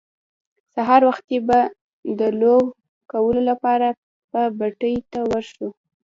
سهار وختي به د لو کولو لپاره به پټي ته ور شو.